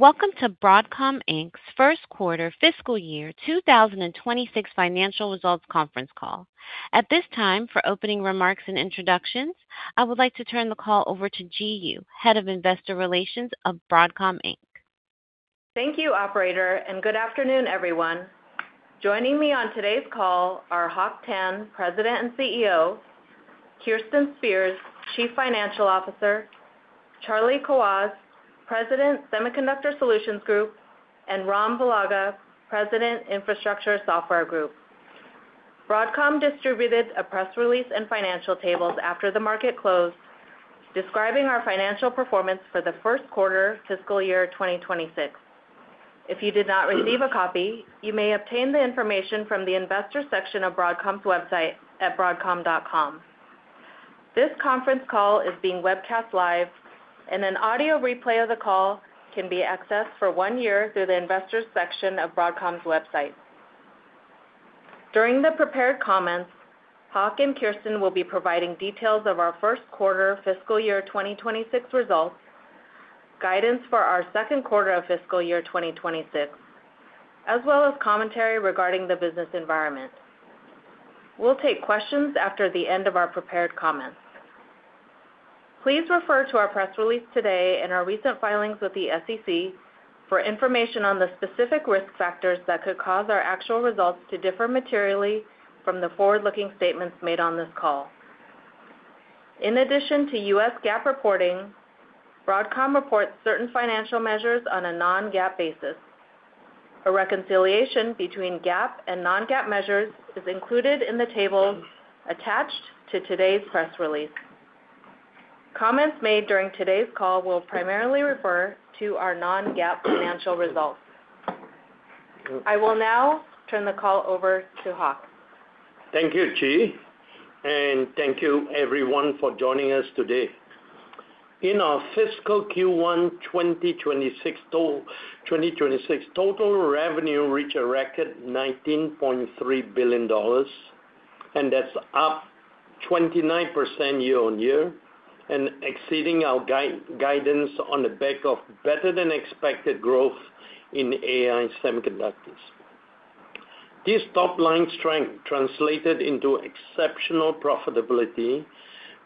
Welcome to Broadcom Inc.'s first quarter fiscal year 2026 financial results conference call. At this time, for opening remarks and introductions, I would like to turn the call over to Ji Yoo, Head of Investor Relations of Broadcom Inc. Thank you, operator. Good afternoon, everyone. Joining me on today's call are Hock Tan, President and CEO; Kirsten Spears, Chief Financial Officer; Charlie Kawwas, President, Semiconductor Solutions Group; and Ram Velaga, President, Infrastructure Software Group. Broadcom distributed a press release and financial tables after the market closed, describing our financial performance for the first quarter fiscal year 2026. If you did not receive a copy, you may obtain the information from the investor section of Broadcom's website at broadcom.com. This conference call is being webcast live, and an audio replay of the call can be accessed for one year through the investors section of Broadcom's website. During the prepared comments, Hock and Kirsten will be providing details of our first quarter fiscal year 2026 results, guidance for our second quarter of fiscal year 2026, as well as commentary regarding the business environment. We'll take questions after the end of our prepared comments. Please refer to our press release today and our recent filings with the SEC for information on the specific risk factors that could cause our actual results to differ materially from the forward-looking statements made on this call. In addition to U.S. GAAP reporting, Broadcom reports certain financial measures on a non-GAAP basis. A reconciliation between GAAP and non-GAAP measures is included in the table attached to today's press release. Comments made during today's call will primarily refer to our non-GAAP financial results. I will now turn the call over to Hock. Thank you, Ji. Thank you everyone for joining us today. In our fiscal Q1 2026, total revenue reached a record $19.3 billion, and that's up 29% year-on-year and exceeding our guidance on the back of better than expected growth in AI semiconductors. This top-line strength translated into exceptional profitability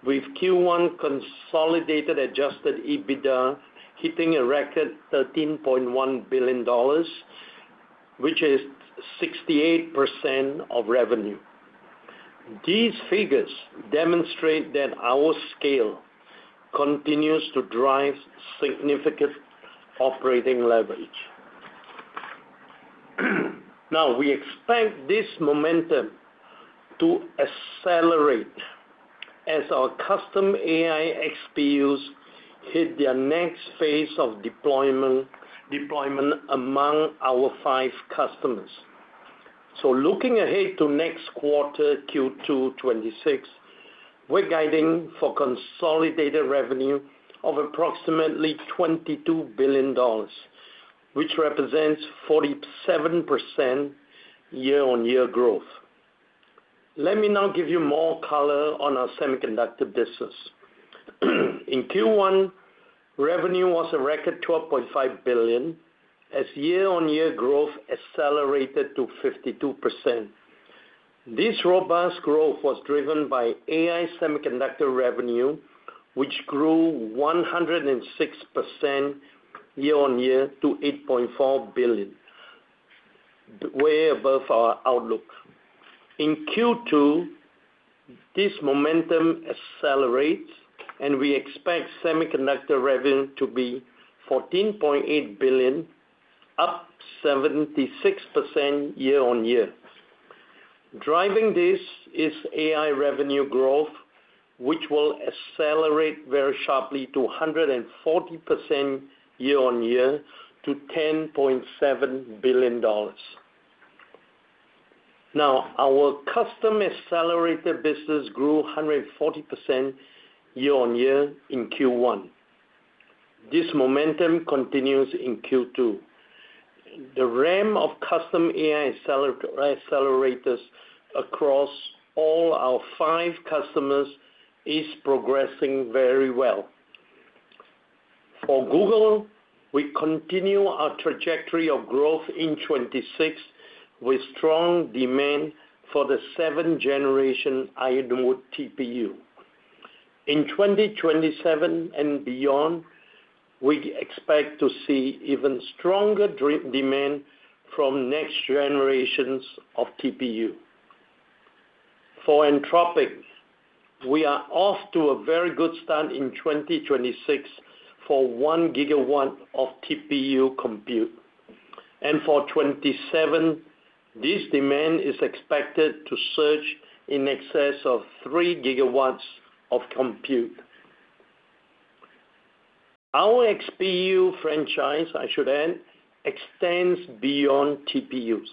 with Q1 consolidated adjusted EBITDA hitting a record $13.1 billion, which is 68% of revenue. These figures demonstrate that our scale continues to drive significant operating leverage. We expect this momentum to accelerate as our custom AI XPUs hit their next phase of deployment among our five customers. Looking ahead to next quarter, Q2 2026, we're guiding for consolidated revenue of approximately $22 billion, which represents 47% year-on-year growth. Let me now give you more color on our Semiconductor business. In Q1, revenue was a record $12.5 billion, as year-on-year growth accelerated to 52%. This robust growth was driven by AI semiconductor revenue, which grew 106% year-on-year to $8.4 billion, way above our outlook. In Q2, this momentum accelerates. We expect semiconductor revenue to be $14.8 billion, up 76% year-on-year. Driving this is AI revenue growth, which will accelerate very sharply to 140% year-on-year to $10.7 billion. Our custom accelerator business grew 140% year-on-year in Q1. This momentum continues in Q2. The ramp of custom AI accelerators across all our five customers is progressing very well. For Google, we continue our trajectory of growth in 2026 with strong demand for the seventh generation Ironwood TPU. In 2027 and beyond, we expect to see even stronger demand from next generations of TPU. For Anthropic, we are off to a very good start in 2026 for 1 GW of TPU compute. For 2027, this demand is expected to surge in excess of 3 GW of compute. Our XPU franchise, I should add, extends beyond TPUs.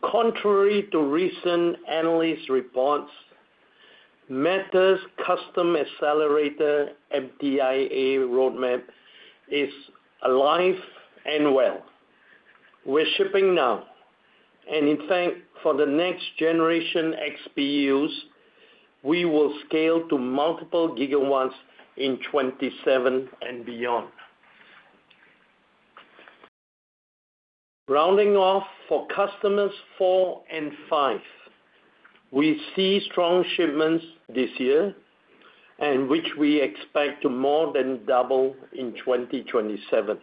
Contrary to recent analyst reports, Meta's custom accelerator MTIA roadmap is alive and well. We're shipping now. In fact, for the next generation XPUs, we will scale to multiple gigawatts in 2027 and beyond. Rounding off for customers four and five, we see strong shipments this year and which we expect to more than double in 2027.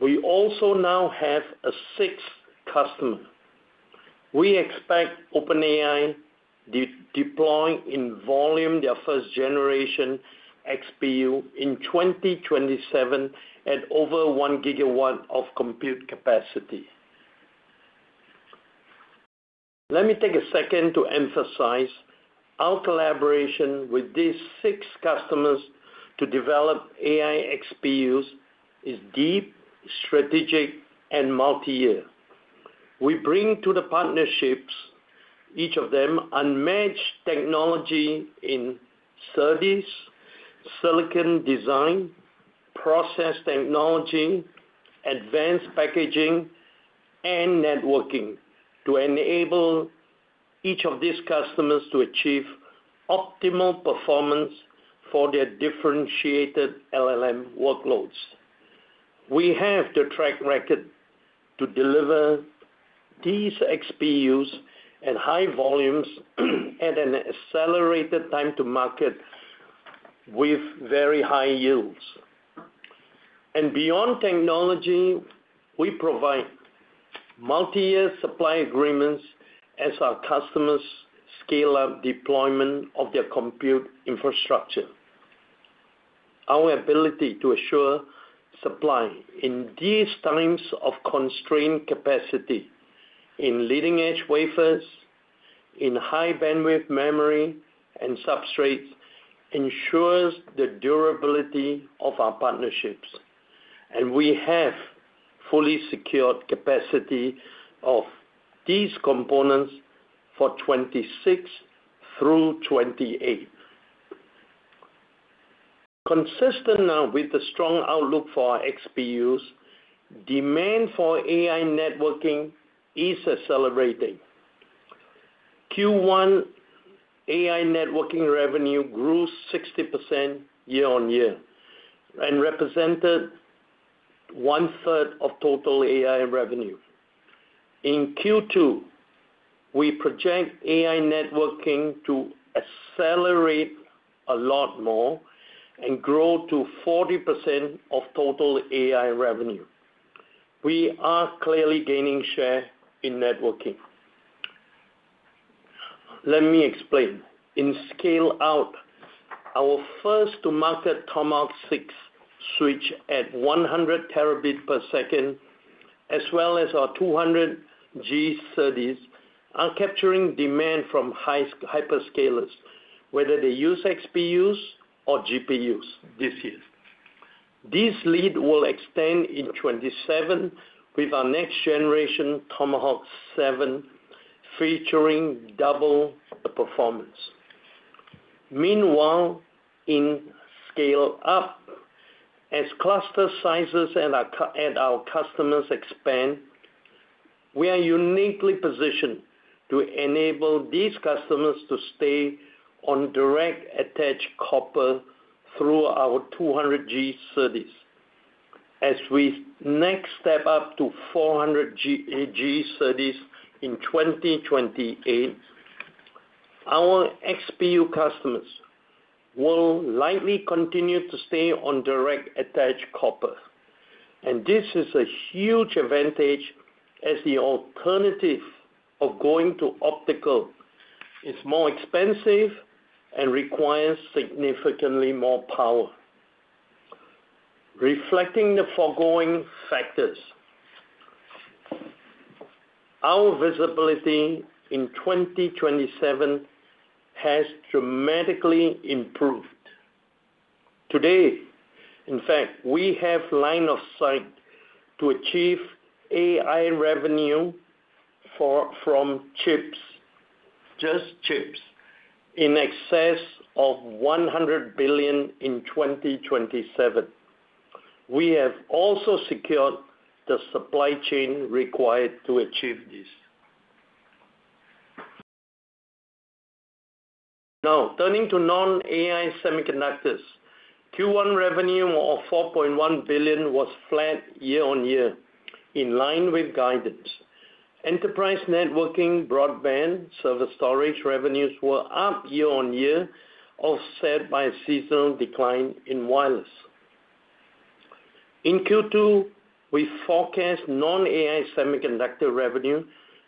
We also now have a sixth customer. We expect OpenAI deploying in volume their first generation XPU in 2027 at over 1 GW of compute capacity. Let me take a second to emphasize our collaboration with these six customers to develop AI XPUs is deep, strategic, and multi-year. We bring to the partnerships, each of them unmatched technology in service, silicon design, process technology, advanced packaging, and networking to enable each of these customers to achieve optimal performance for their differentiated LLM workloads. We have the track record to deliver these XPUs at high volumes at an accelerated time to market with very high yields. Beyond technology, we provide multi-year supply agreements as our customers scale up deployment of their compute infrastructure. Our ability to assure supply in these times of constrained capacity in leading-edge wafers, in High-Bandwidth Memory, and substrates ensures the durability of our partnerships, and we have fully secured capacity of these components for 2026 through 2028. Consistent now with the strong outlook for our XPUs, demand for AI networking is accelerating. Q1 AI networking revenue grew 60% year-on-year and represented 1/3 of total AI revenue. In Q2, we project AI networking to accelerate a lot more and grow to 40% of total AI revenue. We are clearly gaining share in networking. Let me explain. In scale out, our first to market Tomahawk 6 switch at 100 Tbps, as well as our 200G SerDes are capturing demand from hyperscalers, whether they use XPUs or GPUs this year. This lead will extend in 2027 with our next generation Tomahawk 7 featuring double the performance. Meanwhile, in scale up, as cluster sizes and our customers expand, we are uniquely positioned to enable these customers to stay on Direct Attach Copper through our 200G SerDes. We next step up to 400G SerDes in 2028, our XPU customers will likely continue to stay on Direct Attach Copper. This is a huge advantage as the alternative of going to optical. It's more expensive and requires significantly more power. Reflecting the foregoing factors, our visibility in 2027 has dramatically improved. Today, in fact, we have line of sight to achieve AI revenue from chips, just chips in excess of $100 billion in 2027. We have also secured the supply chain required to achieve this. Turning to non-AI semiconductors. Q1 revenue of $4.1 billion was flat year-over-year in line with guidance. Enterprise networking, broadband, service storage revenues were up year-over-year, offset by a seasonal decline in wireless. In Q2, we forecast non-AI semiconductor revenue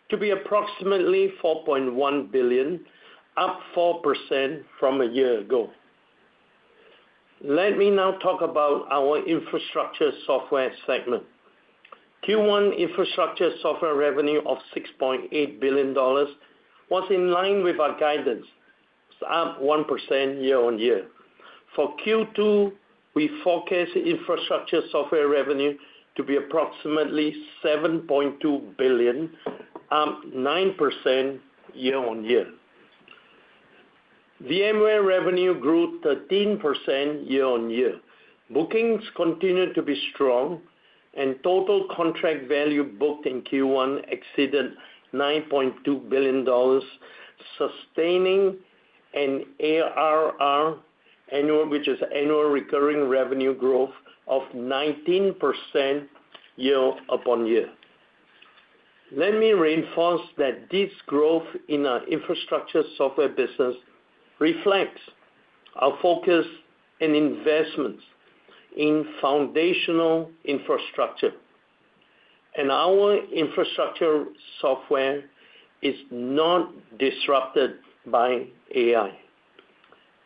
to be approximately $4.1 billion, up 4% from a year ago. Let me now talk about our Infrastructure Software segment. Q1 Infrastructure Software revenue of $6.8 billion was in line with our guidance, up 1% year-on-year. For Q2, we forecast Infrastructure Software revenue to be approximately $7.2 billion, up 9% year-on-year. VMware revenue grew 13% year-on-year. Bookings continued to be strong, and total contract value booked in Q1 exceeded $9.2 billion, sustaining an ARR annual, which is annual recurring revenue growth of 19% year-on-year. Let me reinforce that this growth in our Infrastructure Software business reflects our focus and investments in foundational infrastructure. Our Infrastructure Software is not disrupted by AI.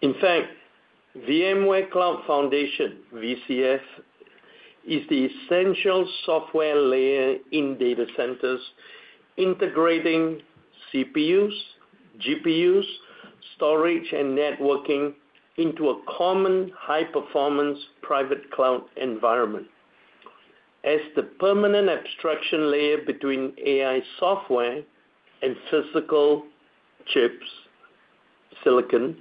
In fact, VMware Cloud Foundation, VCF, is the essential software layer in data centers integrating CPUs, GPUs, storage, and networking into a common high-performance private cloud environment. As the permanent abstraction layer between AI software and physical chips, silicon,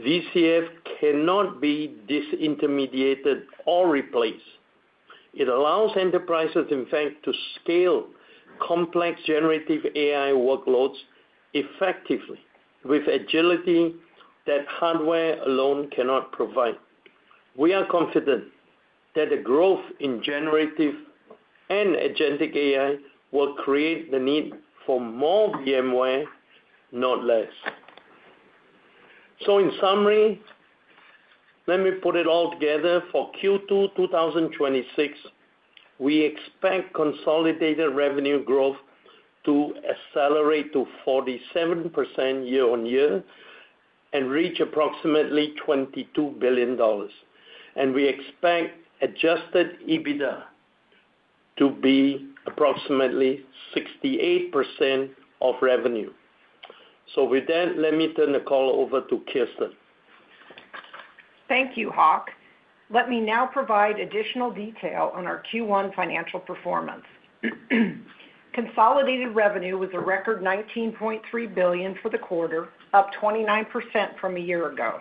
VCF cannot be disintermediated or replaced. It allows enterprises, in fact, to scale complex generative AI workloads effectively with agility that hardware alone cannot provide. We are confident that the growth in generative and agentic AI will create the need for more VMware, not less. In summary, let me put it all together for Q2 2026, we expect consolidated revenue growth to accelerate to 47% year-on-year and reach approximately $22 billion. We expect adjusted EBITDA to be approximately 68% of revenue. With that, let me turn the call over to Kirsten. Thank you, Hock. Let me now provide additional detail on our Q1 financial performance. Consolidated revenue was a record $19.3 billion for the quarter, up 29% from a year ago.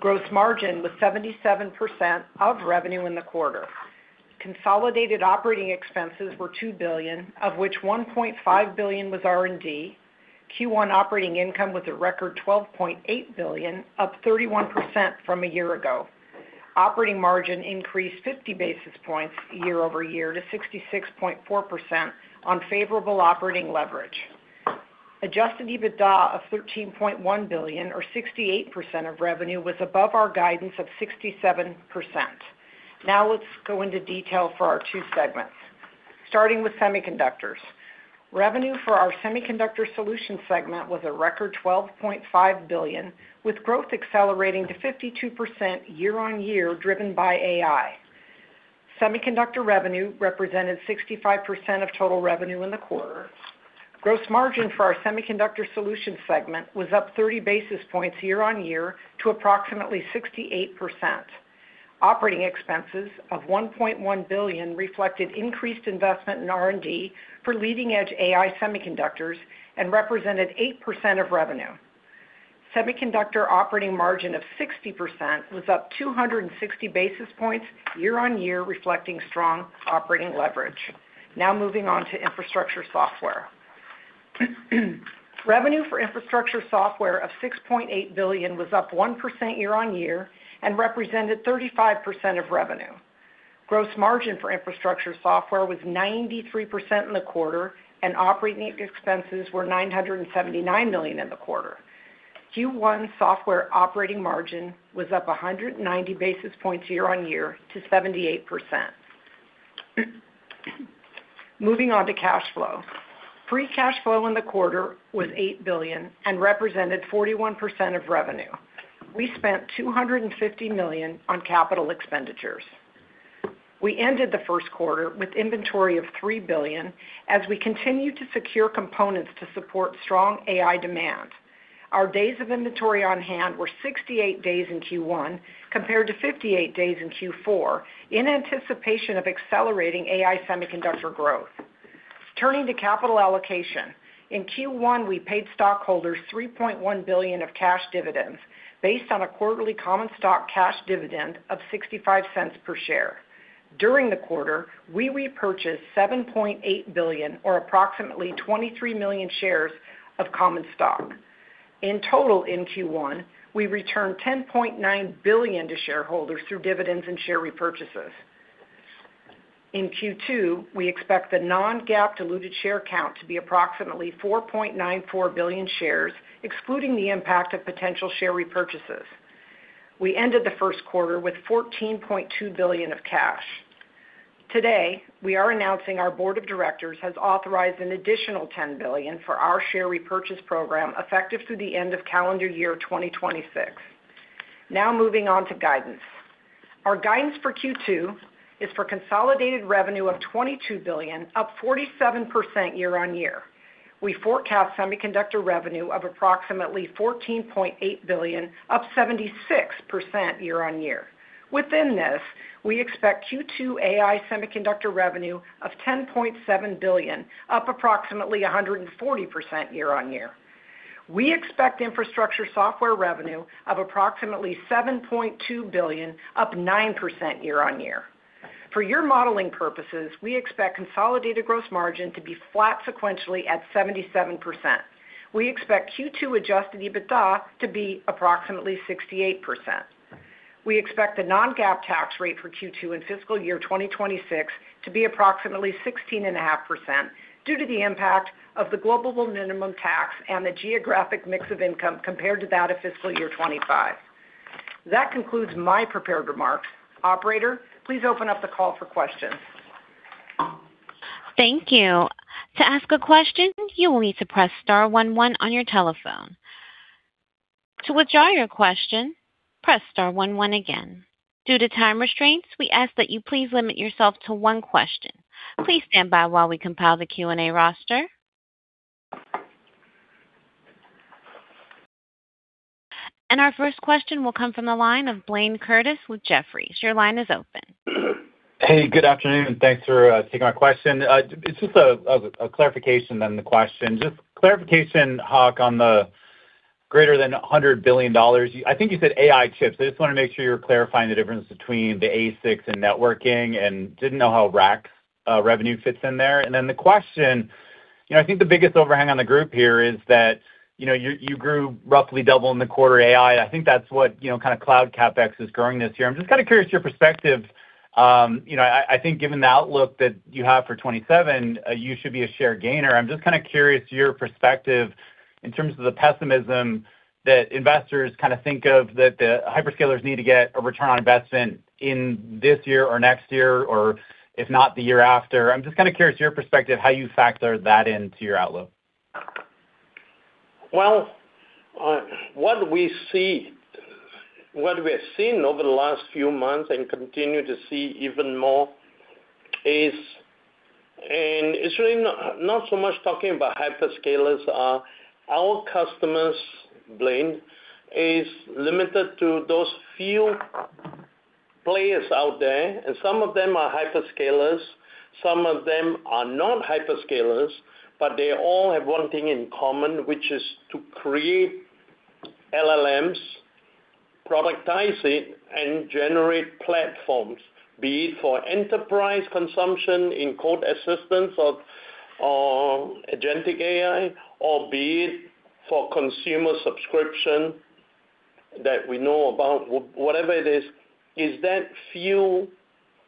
Gross margin was 77% of revenue in the quarter. Consolidated operating expenses were $2 billion, of which $1.5 billion was R&D. Q1 operating income was a record $12.8 billion, up 31% from a year ago. Operating margin increased 50 basis points year-over-year to 66.4% on favorable operating leverage. Adjusted EBITDA of $13.1 billion or 68% of revenue was above our guidance of 67%. Let's go into detail for our two segments. Starting with semiconductors. Revenue for our Semiconductor Solutions segment was a record $12.5 billion, with growth accelerating to 52% year-on-year, driven by AI. Semiconductor revenue represented 65% of total revenue in the quarter. Gross margin for our Semiconductor Solutions segment was up 30 basis points year-on-year to approximately 68%. Operating expenses of $1.1 billion reflected increased investment in R&D for leading-edge AI semiconductors and represented 8% of revenue. Semiconductor operating margin of 60% was up 260 basis points year-on-year, reflecting strong operating leverage. Moving on to Infrastructure Software. Revenue for Infrastructure Software of $6.8 billion was up 1% year-on-year and represented 35% of revenue. Gross margin for Infrastructure Software was 93% in the quarter, and operating expenses were $979 million in the quarter. Q1 software operating margin was up 190 basis points year-on-year to 78%. Moving on to cash flow. Free cash flow in the quarter was $8 billion and represented 41% of revenue. We spent $250 million on capital expenditures. We ended the first quarter with inventory of $3 billion as we continue to secure components to support strong AI demand. Our days of inventory on hand were 68 days in Q1 compared to 58 days in Q4 in anticipation of accelerating AI semiconductor growth. Turning to capital allocation. In Q1, we paid stockholders $3.1 billion of cash dividends based on a quarterly common stock cash dividend of $0.65 per share. During the quarter, we repurchased $7.8 billion or approximately 23 million shares of common stock. In total, in Q1, we returned $10.9 billion to shareholders through dividends and share repurchases. In Q2, we expect the non-GAAP diluted share count to be approximately 4.94 billion shares, excluding the impact of potential share repurchases. We ended the first quarter with $14.2 billion of cash. Today, we are announcing our board of directors has authorized an additional $10 billion for our share repurchase program effective through the end of calendar year 2026. Moving on to guidance. Our guidance for Q2 is for consolidated revenue of $22 billion, up 47% year-on-year. We forecast semiconductor revenue of approximately $14.8 billion, up 76% year-on-year. Within this, we expect Q2 AI semiconductor revenue of $10.7 billion, up approximately 140% year-on-year. We expect infrastructure software revenue of approximately $7.2 billion, up 9% year-on-year. For your modeling purposes, we expect consolidated gross margin to be flat sequentially at 77%. We expect Q2 adjusted EBITDA to be approximately 68%. We expect the non-GAAP tax rate for Q2 in fiscal year 2026 to be approximately 16.5% due to the impact of the global minimum tax and the geographic mix of income compared to that of fiscal year 2025. That concludes my prepared remarks. Operator, please open up the call for questions. Thank you. To ask a question, you will need to press star one one on your telephone. To withdraw your question, press star one one again. Due to time restraints, we ask that you please limit yourself to one question. Please stand by while we compile the Q&A roster. Our first question will come from the line of Blayne Curtis with Jefferies. Your line is open. Good afternoon, and thanks for taking my question. It's just a clarification, then the question. Just clarification, Hock, on the greater than $100 billion. I think you said AI chips. I just want to make sure you're clarifying the difference between the ASICs and networking and didn't know how rack revenue fits in there. The question, you know, I think the biggest overhang on the group here is that, you know, you grew roughly double in the quarter AI. I think that's what, you know, kind of cloud CapEx is growing this year. I'm just kind of curious your perspective, you know, I think given the outlook that you have for 2027, you should be a share gainer. I'm just kind of curious your perspective in terms of the pessimism that investors kind of think of that the hyperscalers need to get a return on investment in this year or next year, or if not, the year after. I'm just kind of curious your perspective, how you factor that into your outlook. Well, what we see, what we have seen over the last few months and continue to see even more is. It's really not so much talking about hyperscalers. Our customers, Blayne, is limited to those few players out there, and some of them are hyperscalers, some of them are not hyperscalers, but they all have one thing in common, which is to create LLMs, productize it, and generate platforms. Be it for enterprise consumption in code assistance of agentic AI, or be it for consumer subscription that we know about. Whatever it is that few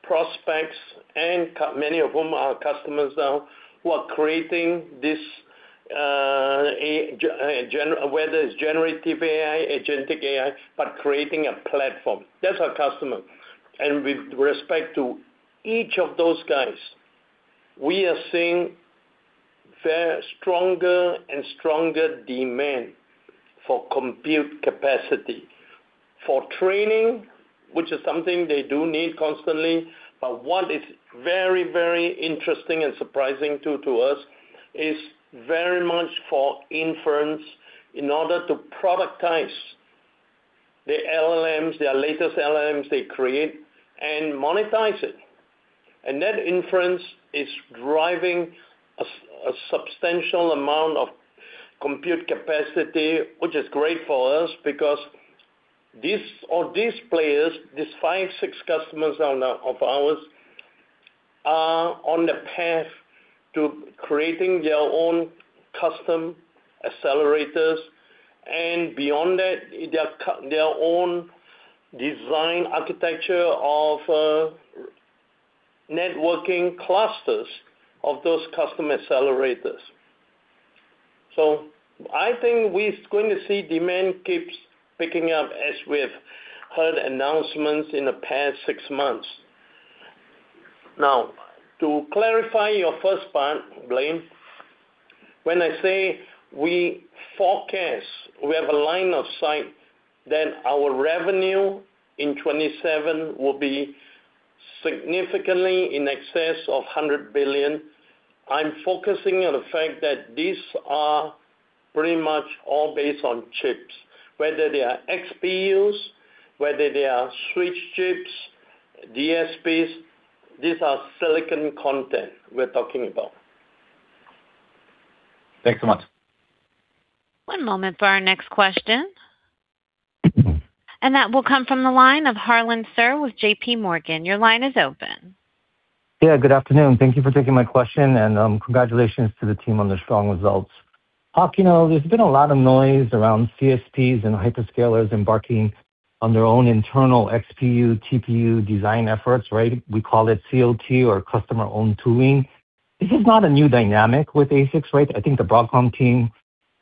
prospects and many of whom are customers now, who are creating this, whether it's generative AI, agentic AI, but creating a platform. That's our customer. With respect to each of those guys, we are seeing very stronger and stronger demand for compute capacity. For training, which is something they do need constantly, but what is very, very interesting and surprising to us is very much for inference in order to productize the LLMs, their latest LLMs they create and monetize it. That inference is driving a substantial amount of compute capacity, which is great for us because these players, these five customers, six customers of ours, are on the path to creating their own custom accelerators, and beyond that, their own design architecture of networking clusters of those custom accelerators. I think we're going to see demand keeps picking up as we've heard announcements in the past six months. Now, to clarify your first part, Blayne, when I say we forecast, we have a line of sight that our revenue in 2027 will be significantly in excess of $100 billion, I'm focusing on the fact that these are pretty much all based on chips. Whether they are XPUs, whether they are switch chips, DSPs, these are silicon content we're talking about. Thanks so much. One moment for our next question. That will come from the line of Harlan Sur with JPMorgan. Your line is open. Yeah, good afternoon. Thank you for taking my question, and congratulations to the team on the strong results. Hock, you know, there's been a lot of noise around CSPs and hyperscalers embarking on their own internal XPU, TPU design efforts, right? We call it COT or customer-owned tooling. This is not a new dynamic with ASICs, right? I think the Broadcom team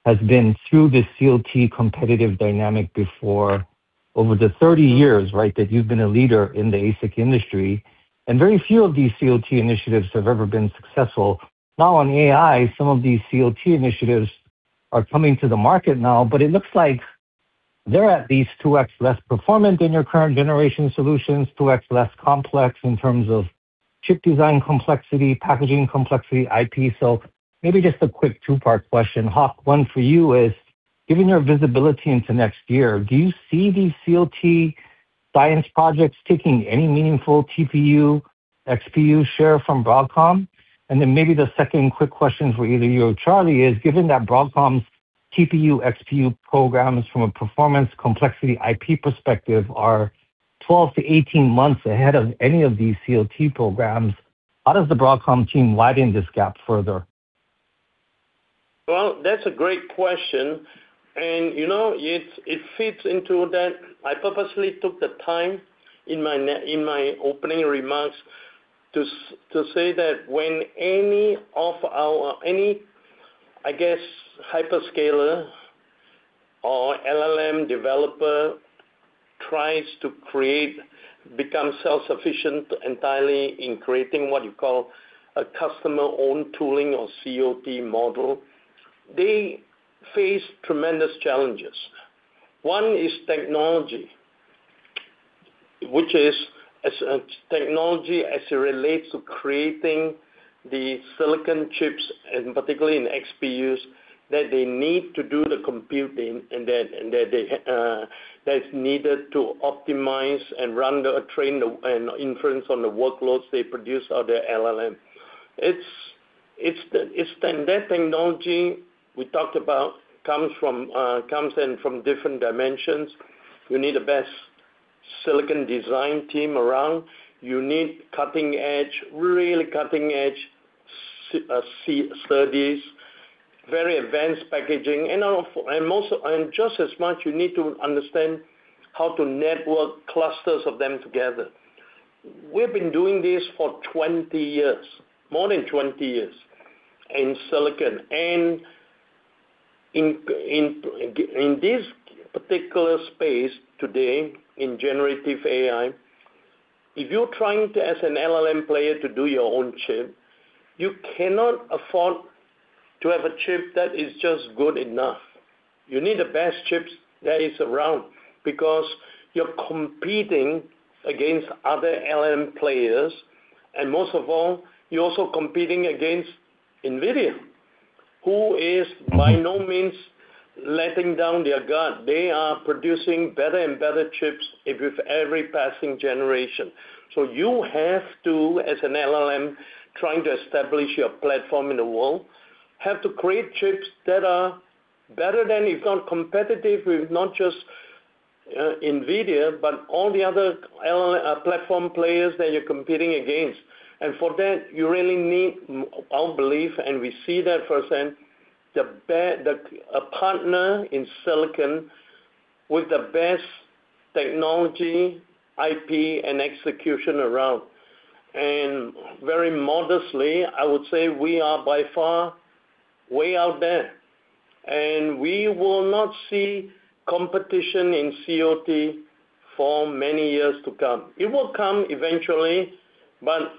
has been through this COT competitive dynamic before over the 30 years, right? That you've been a leader in the ASIC industry, very few of these COT initiatives have ever been successful. Now on AI, some of these COT initiatives are coming to the market now, but it looks like they're at least 2x less performant than your current generation solutions, 2x less complex in terms of chip design complexity, packaging complexity, IP. Maybe just a quick two-part question. Hock, one for you is, given your visibility into next year, do you see these COT Science projects taking any meaningful TPU, XPU share from Broadcom. Maybe the second quick question for either you or Charlie is, given that Broadcom's TPU, XPU programs from a performance complexity IP perspective are 12 to 18 months ahead of any of these COT programs, how does the Broadcom team widen this gap further? Well, that's a great question. You know, it fits into that. I purposely took the time in my opening remarks to say that when any of our, any, I guess, hyperscaler or LLM developer tries to create, become self-sufficient entirely in creating what you call a customer-owned tooling or COT model, they face tremendous challenges. One is technology, which is as a technology as it relates to creating the silicon chips, and particularly in XPUs, that they need to do the computing and that, and that they, that's needed to optimize and run, train, and inference on the workloads they produce or their LLM. It's, it's the, it's that technology we talked about comes from, comes in from different dimensions. You need the best silicon design team around. You need cutting-edge, really cutting-edge SerDes, very advanced packaging. Now for, and most, and just as much you need to understand how to network clusters of them together. We've been doing this for 20 years, more than 20 years in silicon. In this particular space today, in generative AI, if you're trying to as an LLM player to do your own chip, you cannot afford to have a chip that is just good enough. You need the best chips that is around because you're competing against other LLM players, and most of all, you're also competing against NVIDIA, who is by no means letting down their guard. They are producing better and better chips if with every passing generation. You have to, as an LLM trying to establish your platform in the world, have to create chips that are better than if not competitive with not just NVIDIA, but all the other LLM platform players that you're competing against. For that, you really need, I believe, and we see that firsthand, a partner in silicon with the best technology, IP, and execution around. Very modestly, I would say we are by far way out there, and we will not see competition in COT for many years to come. It will come eventually, but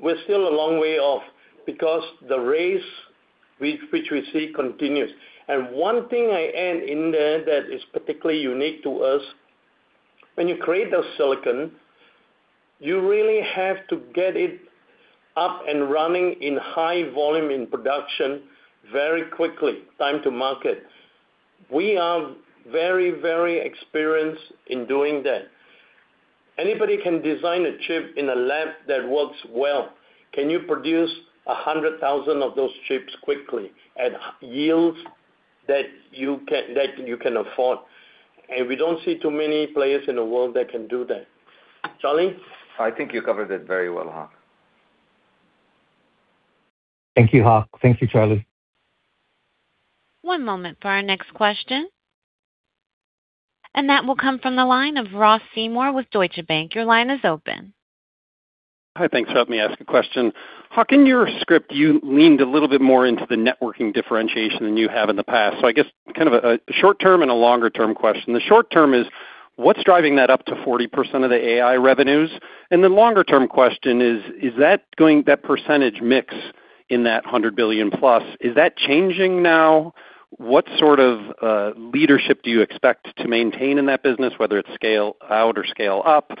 we're still a long way off because the race which we see continues. One thing I add in there that is particularly unique to us, when you create a silicon, you really have to get it up and running in high volume in production very quickly, time to market. We are very, very experienced in doing that. Anybody can design a chip in a lab that works well. Can you produce 100,000 of those chips quickly at yields that you can afford? We don't see too many players in the world that can do that. Charlie? I think you covered it very well, Hock. Thank you, Hock. Thank you, Charlie. One moment for our next question. That will come from the line of Ross Seymore with Deutsche Bank. Your line is open. Hi. Thanks for letting me ask a question. Hock, in your script, you leaned a little bit more into the networking differentiation than you have in the past. I guess kind of a short-term and a longer-term question. The short term is, what's driving that up to 40% of the AI revenues? The longer-term question is that percentage mix in that $100 billion+, is that changing now? What sort of leadership do you expect to maintain in that business, whether it's scale out or scale up?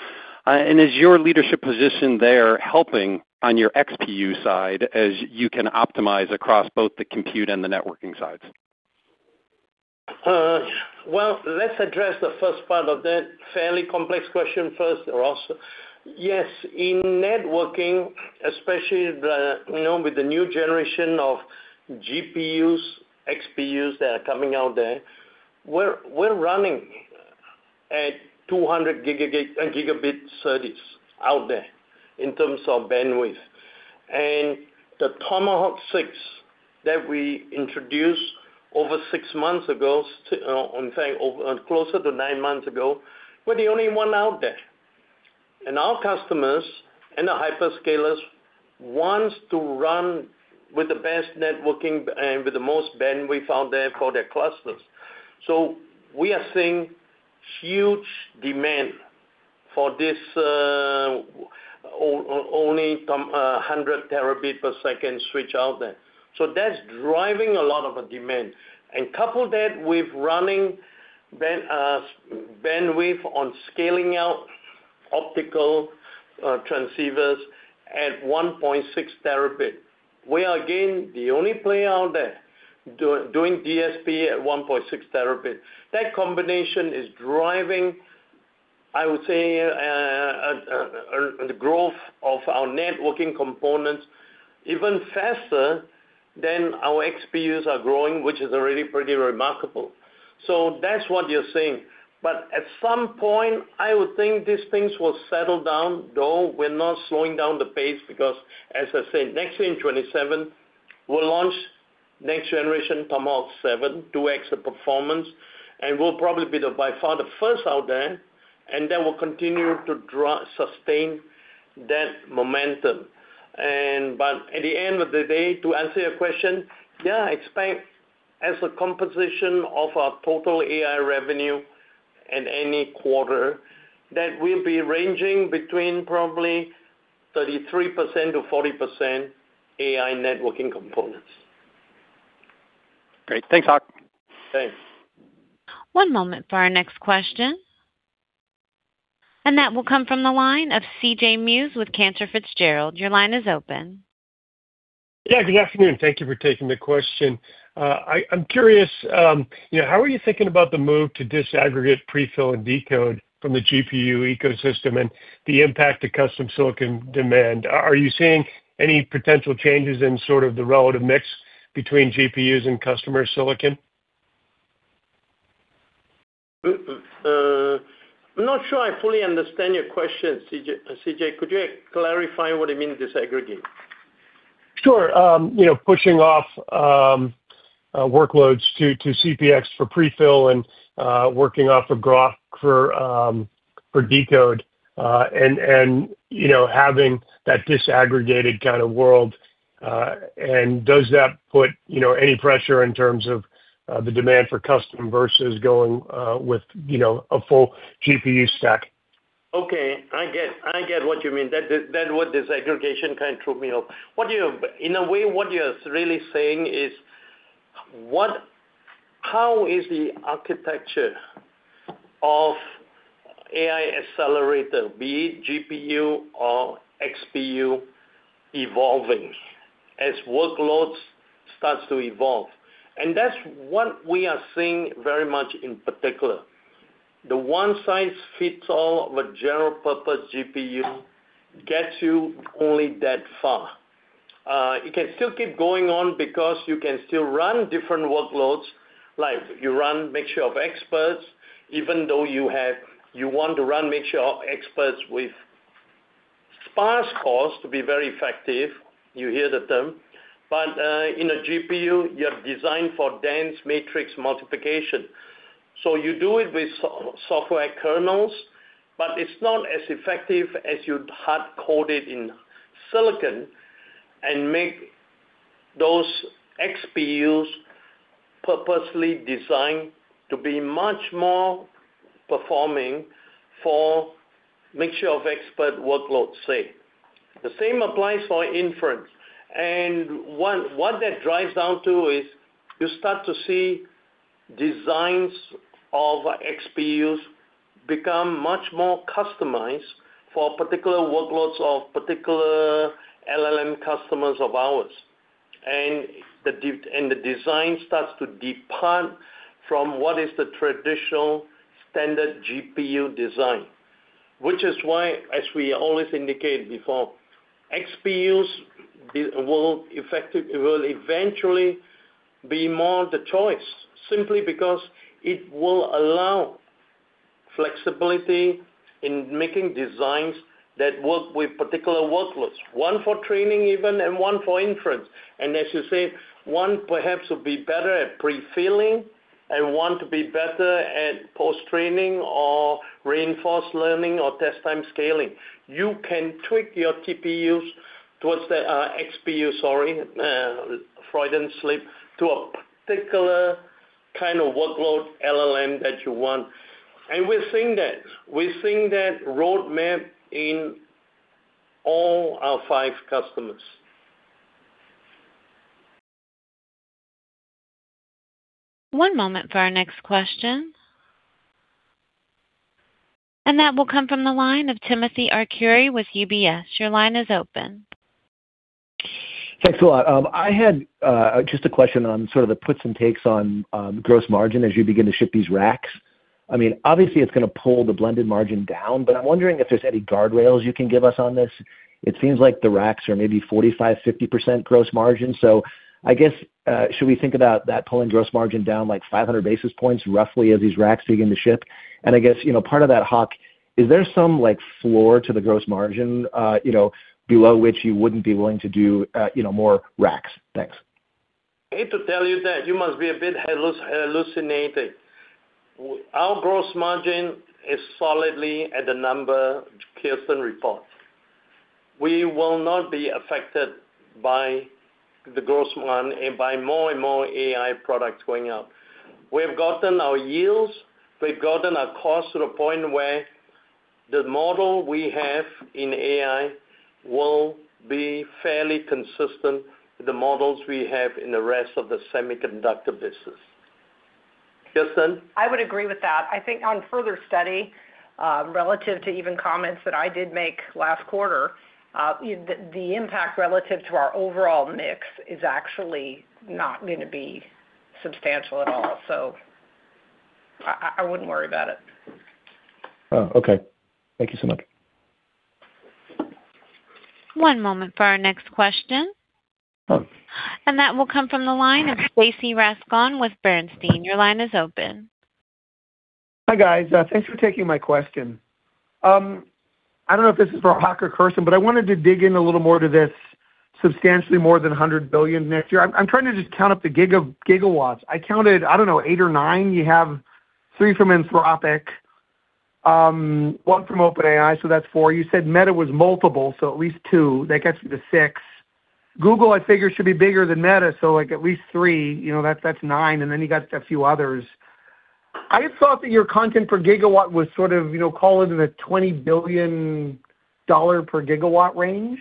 Is your leadership position there helping on your XPU side as you can optimize across both the compute and the networking sides? Well, let's address the first part of that fairly complex question first, Ross. Yes, in networking, especially the, you know, with the new generation of GPUs, XPUs that are coming out there, we're running at 200G SerDes out there in terms of bandwidth. The Tomahawk 6 that we introduced over six months ago, in fact, over, closer to nine months ago, we're the only one out there. Our customers and the hyperscalers wants to run with the best networking with the most bandwidth out there for their clusters. We are seeing huge demand for this only 100 Tbps switch out there. That's driving a lot of the demand. Couple that with running bandwidth on scaling out Optical transceivers at 1.6 Tb. We are, again, the only player out there doing DSP at 1.6 Tb. That combination is driving, I would say, the growth of our networking components even faster than our XPUs are growing, which is already pretty remarkable. That's what you're seeing. At some point, I would think these things will settle down, though we're not slowing down the pace because as I said, next year in 2027, we'll launch next generation Tomahawk 7, two extra performance, and we'll probably be the, by far, the first out there, and then we'll continue to sustain that momentum. At the end of the day, to answer your question, yeah, expect as a composition of our total AI revenue in any quarter that we'll be ranging between probably 33%-40% AI networking components. Great. Thanks, Hock. Thanks. One moment for our next question. That will come from the line of CJ Muse with Cantor Fitzgerald. Your line is open. Yeah, good afternoon. Thank you for taking the question. I'm curious, you know, how are you thinking about the move to disaggregate prefill and decode from the GPU ecosystem and the impact to customer silicon demand? Are you seeing any potential changes in sort of the relative mix between GPUs and customer silicon? I'm not sure I fully understand your question, CJ. CJ, could you clarify what you mean disaggregate? Sure. You know, pushing off, workloads to CPX for prefill and, working off of Groq for decode, and, you know, having that disaggregated kind of world, and does that put, you know, any pressure in terms of, the demand for custom versus going with, you know, a full GPU stack? Okay. I get what you mean. That word disaggregation kind of threw me off. In a way, what you're really saying is, how is the architecture of AI accelerator, be it GPU or XPU evolving as workloads starts to evolve? That's what we are seeing very much in particular. The one-size-fits-all with general purpose GPU gets you only that far. It can still keep going on because you can still run different workloads, like you run mixture of experts, even though you want to run mixture of experts with sparse cores to be very effective, you hear the term. In a GPU, you're designed for dense matrix multiplication. You do it with software kernels, but it's not as effective as you'd hard-code it in silicon and make those XPUs purposely designed to be much more performing for Mixture of Experts workloads, say. The same applies for inference. What that drives down to is you start to see designs of XPUs become much more customized for particular workloads of particular LLM customers of ours. The design starts to depart from what is the traditional standard GPU design. Why, as we always indicated before, XPUs will eventually be more the choice simply because it will allow flexibility in making designs that work with particular workloads, one for training even, and one for inference. As you say, one perhaps will be better at prefilling and one to be better at post-training or reinforcement learning or test-time scaling. You can tweak your TPUs towards the XPU, sorry, Freudian slip, to a particular kind of workload LLM that you want. We're seeing that. We're seeing that roadmap in all our five customers. One moment for our next question. That will come from the line of Timothy Arcuri with UBS. Your line is open. Thanks a lot. I had just a question on sort of the puts and takes on gross margin as you begin to ship these racks. I mean, obviously, it's gonna pull the blended margin down, but I'm wondering if there's any guardrails you can give us on this. It seems like the racks are maybe 45%, 50% gross margin. I guess, should we think about that pulling gross margin down like 500 basis points roughly as these racks begin to ship? I guess, you know, part of that, Hock, is there some, like, floor to the gross margin, you know, below which you wouldn't be willing to do, you know, more racks? Thanks. I hate to tell you that you must be a bit hallucinating. Our gross margin is solidly at the number Kirsten reports. We will not be affected by the gross margin and by more and more AI products going out. We have gotten our yields, we've gotten our cost to the point where the model we have in AI will be fairly consistent with the models we have in the rest of the Semiconductor business. I would agree with that. I think on further study, relative to even comments that I did make last quarter, the impact relative to our overall mix is actually not gonna be substantial at all, so I wouldn't worry about it. Oh, okay. Thank you so much. One moment for our next question. That will come from the line of Stacy Rasgon with Bernstein. Your line is open. Hi, guys. Thanks for taking my question. I don't know if this is for Hock or Kirsten, but I wanted to dig in a little more to this substantially more than $100 billion next year. I'm trying to just count up the gigawatts. I counted, I don't know, eight or nine. You have three from Anthropic, one from OpenAI, that's four. You said Meta was multiple, at least two. That gets me to six. Google, I figure, should be bigger than Meta, like at least three. You know, that's nine, you got a few others. I thought that your content per gigawatt was sort of, you know, call it in a $20 billion per gigawatt range.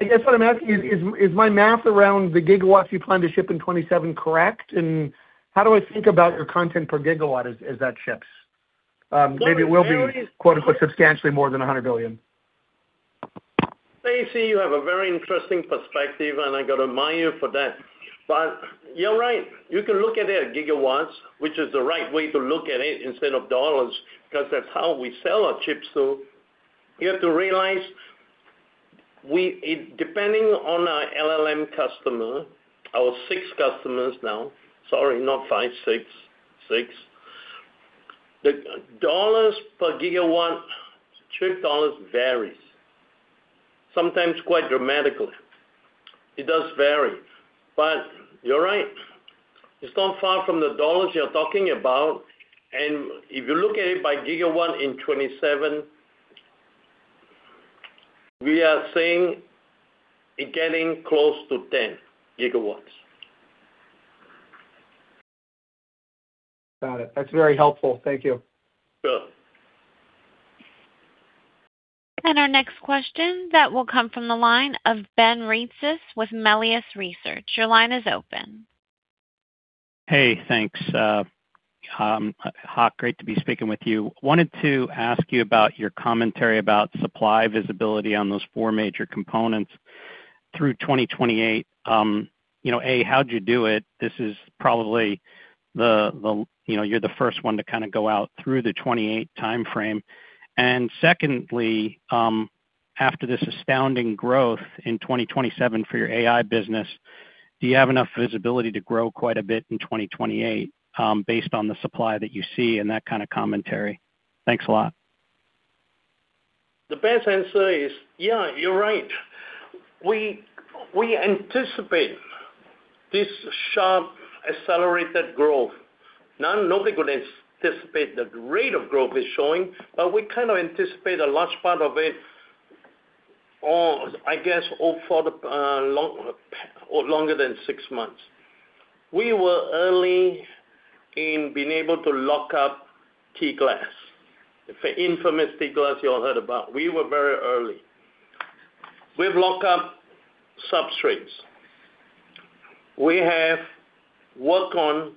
I guess what I'm asking is my math around the gigawatts you plan to ship in 2027 correct? How do I think about your content per gigawatt as that ships? Maybe it will be quote-unquote substantially more than $100 billion. Stacy, you have a very interesting perspective, and I gotta admire you for that. You're right. You can look at it at gigawatts, which is the right way to look at it instead of dollars, 'cause that's how we sell our chips to. You have to realize we depending on our LLM customer, our six customers now. Sorry, not five, six. Six. The dollars per gigawatt chip dollars varies, sometimes quite dramatically. It does vary. You're right. It's not far from the dollars you're talking about. If you look at it by gigawatt in 2027, we are seeing it getting close to 10 GW. Got it. That's very helpful. Thank you. Sure. Our next question that will come from the line of Ben Reitzes with Melius Research. Your line is open. Hey, thanks. Hock, great to be speaking with you. Wanted to ask you about your commentary about supply visibility on those four major components through 2028. You know, A, how'd you do it? This is probably the. You know, you're the first one to kinda go out through the 2028 timeframe. Secondly, after this astounding growth in 2027 for your AI business, do you have enough visibility to grow quite a bit in 2028, based on the supply that you see and that kinda commentary? Thanks a lot. The best answer is, yeah, you're right. We anticipate this sharp accelerated growth. Nobody could anticipate the rate of growth it's showing, but we kinda anticipate a large part of it, or I guess, over the longer than six months. We were early in being able to lock up T-glass. The infamous T-glass you all heard about. We were very early. We've locked up substrates. We have worked on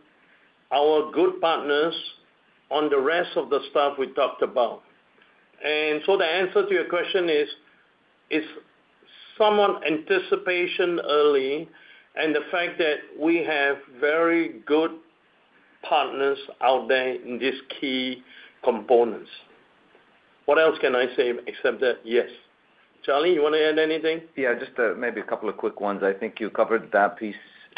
our good partners on the rest of the stuff we talked about. The answer to your question is, it's somewhat anticipation early and the fact that we have very good partners out there in these key components. What else can I say except that, yes. Charlie, you wanna add anything? Yeah, just maybe a couple of quick ones. I think you covered that piece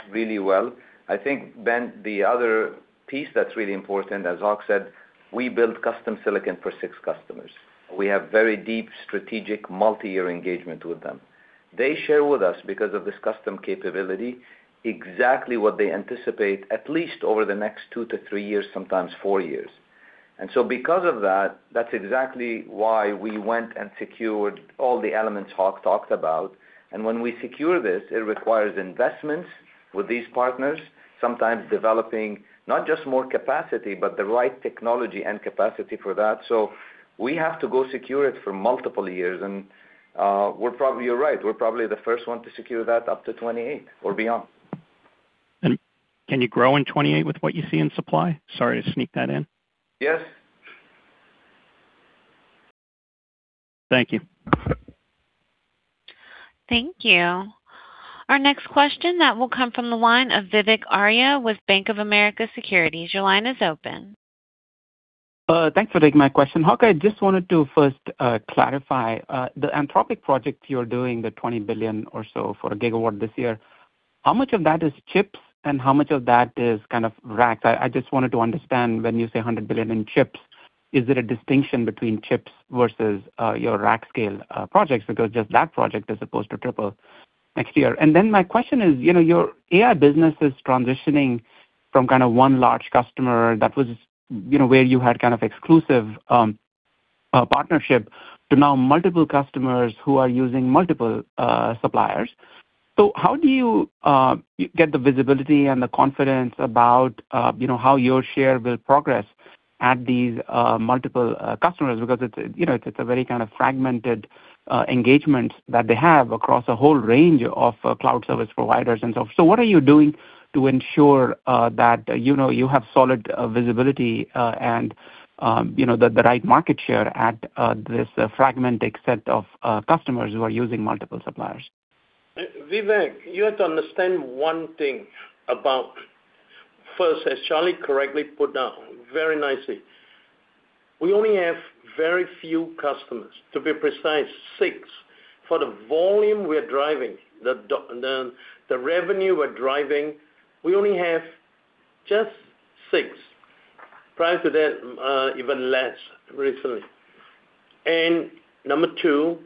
really well. I think, Ben, the other piece that's really important, as Hock said, we build custom silicon for six customers. We have very deep strategic multi-year engagement with them. They share with us, because of this custom capability, exactly what they anticipate at least over the next two to three years, sometimes four years. Because of that's exactly why we went and secured all the elements Hock talked about. When we secure this, it requires investments with these partners, sometimes developing not just more capacity, but the right technology and capacity for that. We have to go secure it for multiple years. You're right. We're probably the first one to secure that up to 2028 or beyond. Can you grow in 2028 with what you see in supply? Sorry to sneak that in. Yes. Thank you. Thank you. Our next question that will come from the line of Vivek Arya with Bank of America Securities. Your line is open. Thanks for taking my question. Hock, I just wanted to first clarify the Anthropic project you're doing, the $20 billion or so for a gigawatt this year. How much of that is chips and how much of that is kind of racks? I just wanted to understand when you say $100 billion in chips, is it a distinction between chips versus your rack scale projects? Just that project is supposed to triple next year. My question is, you know, your AI business is transitioning from kinda one large customer that was, you know, where you had kind of exclusive partnership to now multiple customers who are using multiple suppliers. How do you get the visibility and the confidence about, you know, how your share will progress? At these multiple customers, because it's, you know, it's a very kind of fragmented engagement that they have across a whole range of cloud service providers and so on. What are you doing to ensure that, you know, you have solid visibility, and, you know, the right market share at this fragmented set of customers who are using multiple suppliers? Vivek, you have to understand one thing about first, as Charlie correctly put down very nicely. We only have very few customers, to be precise, six. For the volume we are driving, the revenue we're driving, we only have just six. Prior to that, even less recently. Number two,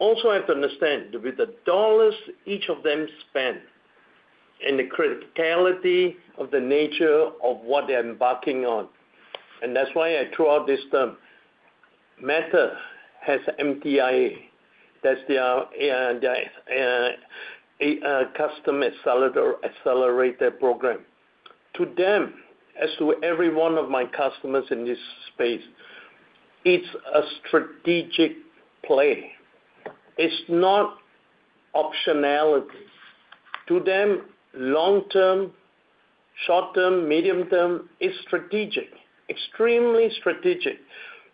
also have to understand with the dollar each of them spend and the criticality of the nature of what they're embarking on, and that's why I threw out this term. Meta has MTIA. That's their custom accelerator program. To them, as to every one of my customers in this space, it's a strategic play. It's not optionality. To them, long-term, short-term, medium-term is strategic, extremely strategic.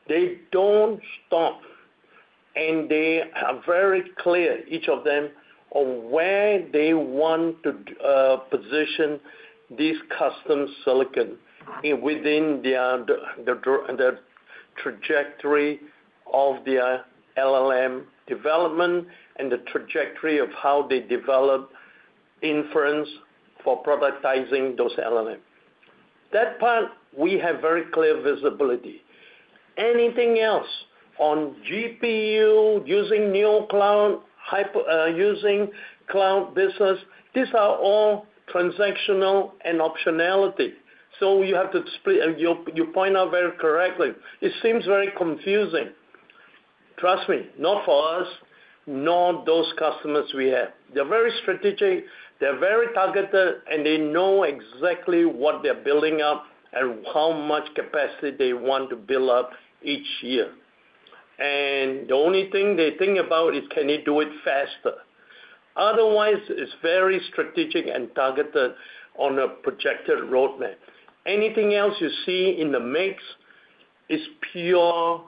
They don't stop, they are very clear, each of them, on where they want to position this custom silicon within their trajectory of their LLM development and the trajectory of how they develop inference for productizing those LLM. That part, we have very clear visibility. Anything else on GPU, using Neocloud, using cloud business, these are all transactional and optionality. You point out very correctly. It seems very confusing. Trust me, not for us, nor those customers we have. They're very strategic, they're very targeted, and they know exactly what they're building up and how much capacity they want to build up each year. The only thing they think about is can they do it faster. Otherwise, it's very strategic and targeted on a projected roadmap. Anything else you see in the mix is pure,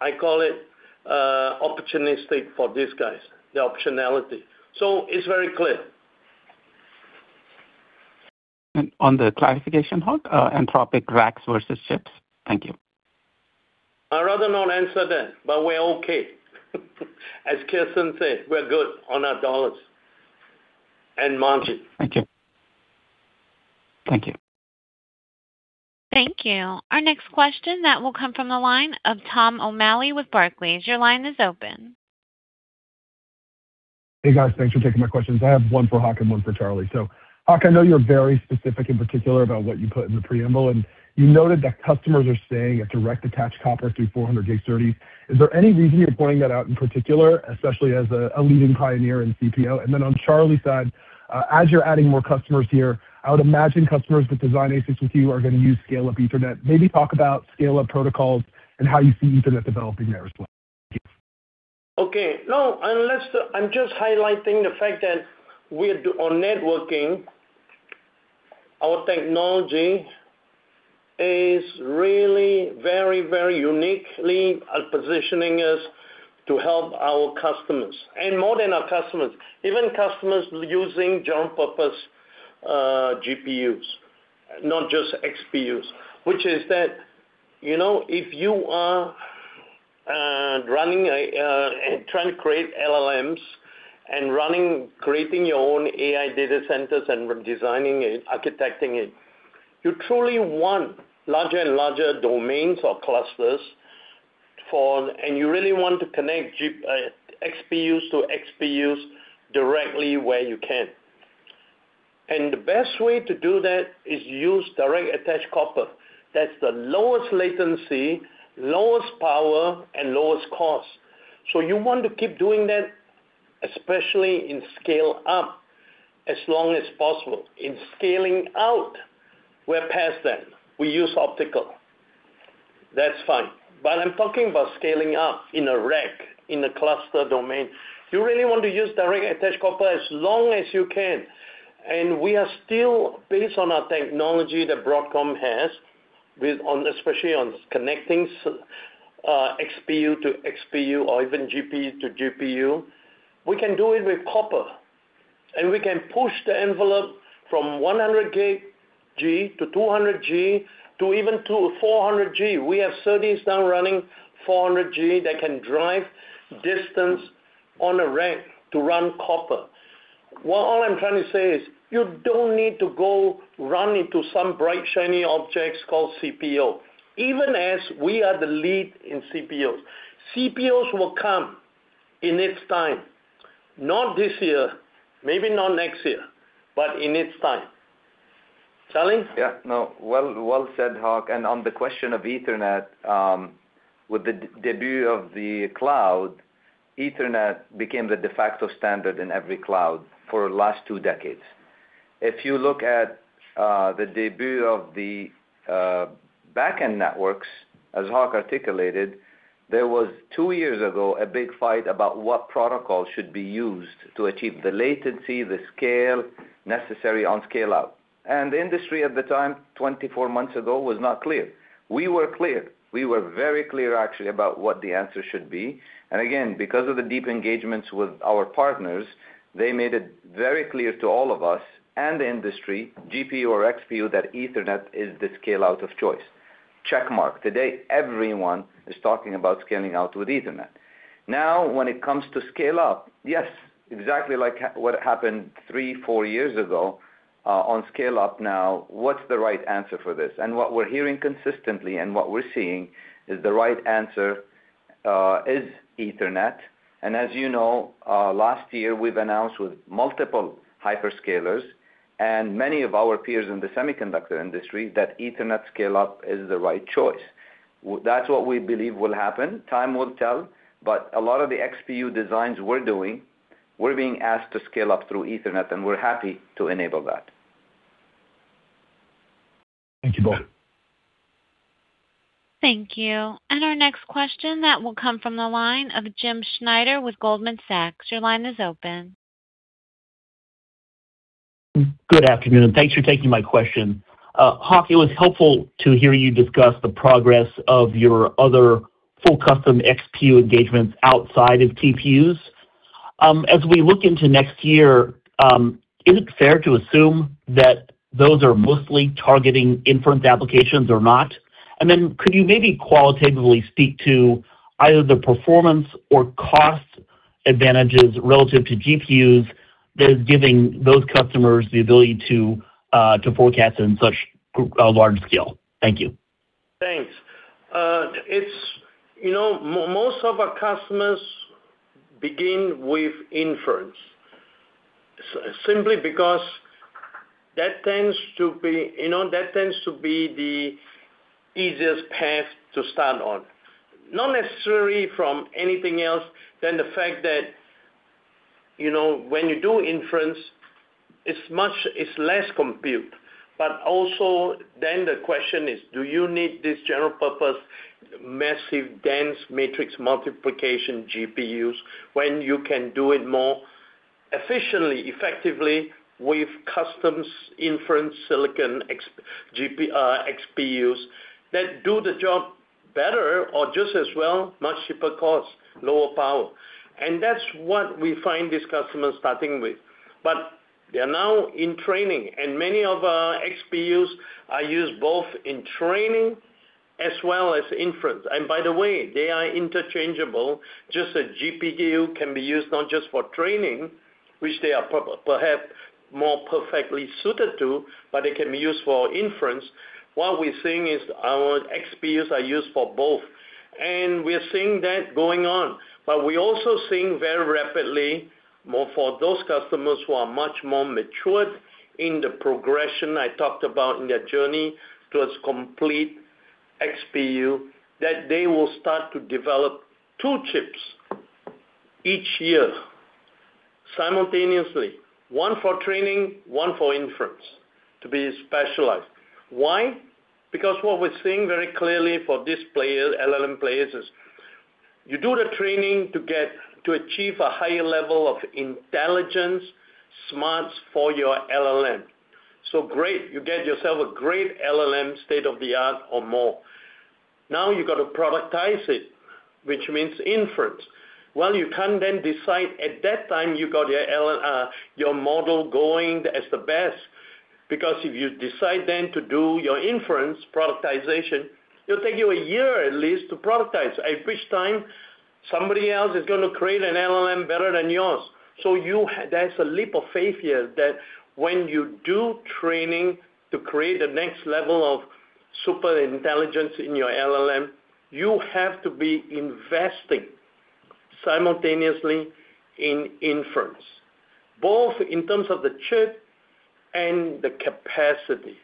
I call it, opportunistic for these guys, the optionality. It's very clear. On the clarification, Hock, Anthropic racks versus chips? Thank you. I'd rather not answer that, but we're okay. As Kirsten said, we're good on our dollars and margin. Thank you. Thank you. Thank you. Our next question that will come from the line of Tom O'Malley with Barclays. Your line is open. Hey, guys. Thanks for taking my questions. I have one for Hock and one for Charlie. Hock, I know you're very specific, in particular, about what you put in the preamble, and you noted that customers are staying at Direct Attach Copper through 400G SerDes. Is there any reason you're pointing that out in particular, especially as a leading pioneer in CPO? On Charlie's side, as you're adding more customers here, I would imagine customers that design ASICs with you are gonna use scale-up Ethernet. Maybe talk about scale-up protocols and how you see Ethernet developing there as well. Thank you. Okay. No, I'm just highlighting the fact that on networking, our technology is really very, very uniquely positioning us to help our customers. More than our customers, even customers using general purpose GPUs, not just XPUs. Which is that, you know, if you are running a trying to create LLMs and running, creating your own AI data centers and designing it, architecting it, you truly want larger and larger domains or clusters for. You really want to connect XPUs to XPUs directly where you can. The best way to do that is use Direct Attach Copper. That's the lowest latency, lowest power, and lowest cost. You want to keep doing that, especially in scale-up, as long as possible. In scaling out, we're past that. We use optical. That's fine. I'm talking about scaling up in a rack, in a cluster domain. You really want to use Direct Attach Copper as long as you can. We are still based on our technology that Broadcom has with on, especially on connecting XPU to XPU or even GPU to GPU. We can do it with copper, we can push the envelope from 100G to 200G to even to 400G. We have SerDes now running 400G that can drive distance on a rack to run copper. All I'm trying to say is you don't need to go run into some bright, shiny objects called CPO, even as we are the lead in CPOs. CPOs will come in its time, not this year, maybe not next year, but in its time. Charlie? Yeah. No. Well, well said, Hock. On the question of Ethernet, with the debut of the cloud Ethernet became the de facto standard in every cloud for the last two decades. If you look at, the debut of the, backend networks, as Hock articulated, there was two years ago a big fight about what protocol should be used to achieve the latency, the scale necessary on scale-out. The industry at the time, 24 months ago, was not clear. We were clear. We were very clear actually about what the answer should be. Again, because of the deep engagements with our partners, they made it very clear to all of us and the industry, GPU or XPU, that Ethernet is the scale-out of choice. Check mark. Today, everyone is talking about scaling out with Ethernet. When it comes to scale up, yes, exactly like what happened three years, four years ago, on scale up now, what's the right answer for this? What we're hearing consistently and what we're seeing is the right answer is Ethernet. As you know, last year, we've announced with multiple hyperscalers and many of our peers in the semiconductor industry that Ethernet scale-up is the right choice. That's what we believe will happen. Time will tell, but a lot of the XPU designs we're doing, we're being asked to scale up through Ethernet, and we're happy to enable that. Thank you both. Thank you. Our next question that will come from the line of Jim Schneider with Goldman Sachs. Your line is open. Good afternoon, and thanks for taking my question. Hock, it was helpful to hear you discuss the progress of your other full custom XPU engagements outside of TPUs. As we look into next year, is it fair to assume that those are mostly targeting inference applications or not? Could you maybe qualitatively speak to either the performance or cost advantages relative to GPUs that is giving those customers the ability to forecast in such a large scale? Thank you. Thanks. It's, you know, most of our customers begin with inference, simply because that tends to be, you know, that tends to be the easiest path to start on. Not necessarily from anything else than the fact that, you know, when you do inference, it's less compute. The question is, do you need this general purpose, massive dense matrix multiplication GPUs when you can do it more efficiently, effectively with customs inference, silicon XPUs that do the job better or just as well, much cheaper cost, lower power. That's what we find these customers starting with. They are now in training, and many of our XPUs are used both in training as well as inference. By the way, they are interchangeable, just a GPU can be used not just for training, which they are perhaps more perfectly suited to, but they can be used for inference. What we're seeing is our XPUs are used for both, and we are seeing that going on. We're also seeing very rapidly more for those customers who are much more matured in the progression I talked about in their journey towards complete XPU, that they will start to develop two chips each year simultaneously, one for training, one for inference to be specialized. Why? Because what we're seeing very clearly for these players, LLM players, is you do the training to achieve a higher level of intelligence, smarts for your LLM. Great. You get yourself a great LLM state-of-the-art or more. You've got to productize it, which means inference. You can't then decide at that time you got your model going as the best, because if you decide then to do your inference productization, it'll take you a year at least to productize. At which time, somebody else is gonna create an LLM better than yours. There's a leap of faith here that when you do training to create the next level of super intelligence in your LLM, you have to be investing simultaneously in inference, both in terms of the chip and the capacity.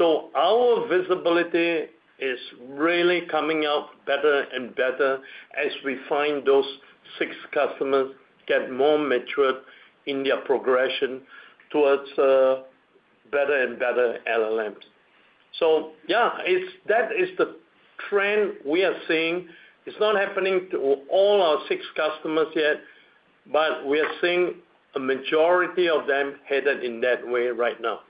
Our visibility is really coming out better and better as we find those six customers get more matured in their progression towards better and better LLMs. Yeah, that is the trend we are seeing. It's not happening to all our six customers yet, but we are seeing a majority of them headed in that way right now.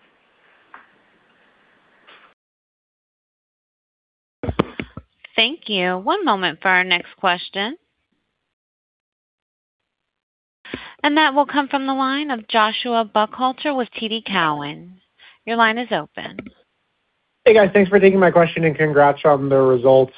Thank you. One moment for our next question. That will come from the line of Joshua Buchalter with TD Cowen. Your line is open. Hey, guys. Thanks for taking my question, and congrats on the results.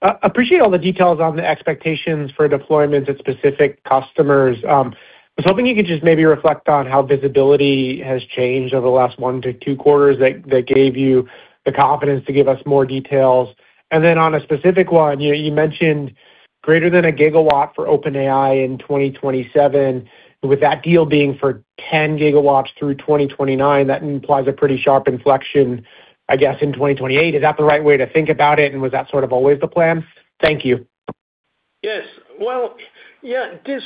Appreciate all the details on the expectations for deployments at specific customers. I was hoping you could just maybe reflect on how visibility has changed over the last one to two quarters that gave you the confidence to give us more details. On a specific one, you mentioned greater than 1 GW for OpenAI in 2027. With that deal being for 10 GW through 2029, that implies a pretty sharp inflection. I guess in 2028. Is that the right way to think about it? Was that sort of always the plan? Thank you. Yes. Well, yeah, this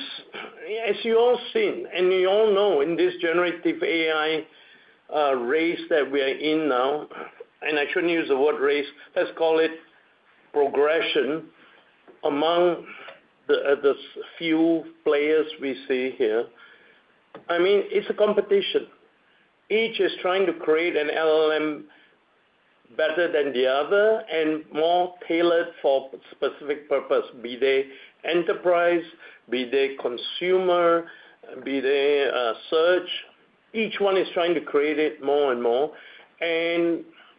as you all seen and you all know, in this generative AI race that we are in now, and I shouldn't use the word race, let's call it progression among the few players we see here. I mean, it's a competition. Each is trying to create an LLM better than the other and more tailored for specific purpose, be they enterprise, be they consumer, be they search. Each one is trying to create it more and more.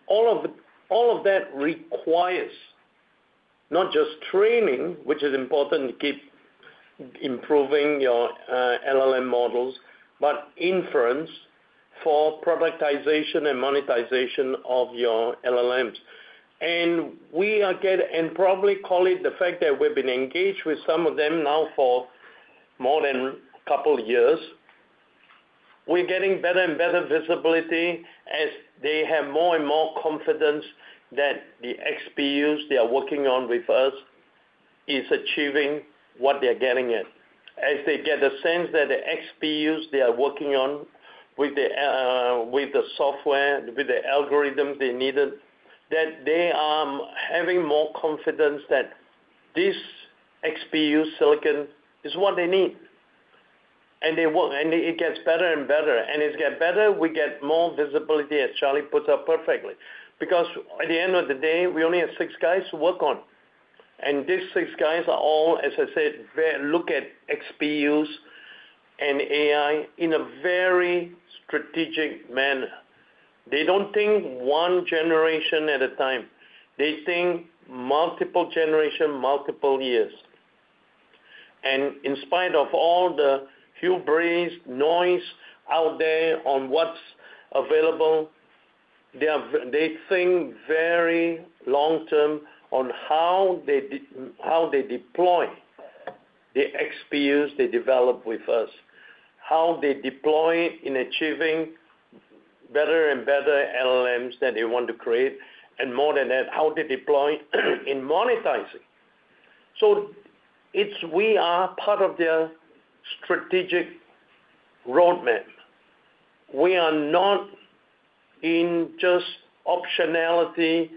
All of that requires not just training, which is important to keep improving your LLM models, but inference for productization and monetization of your LLMs. We are and probably call it the fact that we've been engaged with some of them now for more than a couple years. We're getting better and better visibility as they have more and more confidence that the XPUs they are working on with us is achieving what they're getting at. As they get the sense that the XPUs they are working on with the, with the software, with the algorithm they needed, that they are having more confidence that this XPU silicon is what they need. They work, and it gets better and better. As it get better, we get more visibility, as Charlie puts up perfectly. At the end of the day, we only have six guys to work on. These six guys are all, as I said, very look at XPUs and AI in a very strategic manner. They don't think one generation at a time. They think multiple generation, multiple years. In spite of all the hubris, noise out there on what's available, they think very long-term on how they deploy the XPUs they develop with us, how they deploy in achieving better and better LLMs that they want to create, and more than that, how they deploy in monetizing. We are part of their strategic roadmap. We are not in just optionality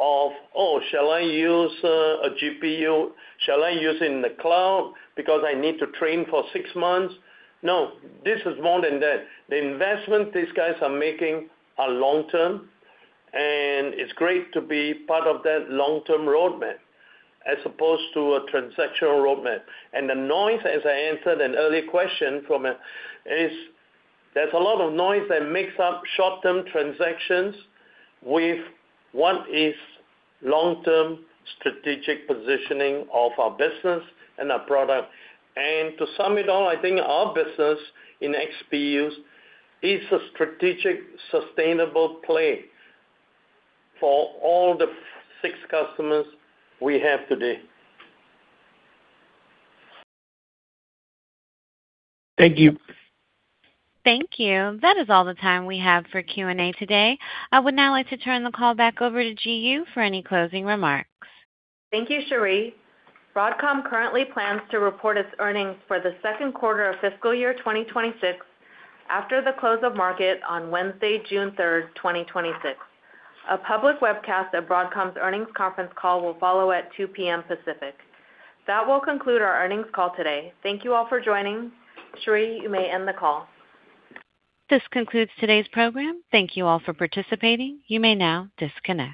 of, "Oh, shall I use a GPU? Shall I use it in the cloud because I need to train for six months?" No, this is more than that. The investment these guys are making are long-term, and it's great to be part of that long-term roadmap as opposed to a transactional roadmap. The noise, as I answered an earlier question, is there's a lot of noise that mix up short-term transactions with what is long-term strategic positioning of our business and our product. To sum it all, I think our business in XPUs is a strategic, sustainable play for all the six customers we have today. Thank you. Thank you. That is all the time we have for Q&A today. I would now like to turn the call back over to Ji Yoo for any closing remarks. Thank you, Cherie. Broadcom currently plans to report its earnings for the second quarter of fiscal year 2026 after the close of market on Wednesday, June 3rd, 2026. A public webcast of Broadcom's earnings conference call will follow at 2:00 P.M. Pacific. That will conclude our earnings call today. Thank you all for joining. Cherie, you may end the call. This concludes today's program. Thank You all for participating. You may now disconnect.